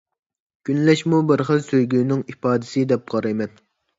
كۈنلەشمۇ بىر خىل سۆيگۈنىڭ ئىپادىسى، دەپ قارايمەن.